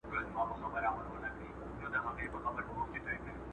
موږ باید د نړۍ د نورو انسانانو خیر وغواړو.